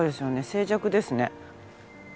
静寂ですね。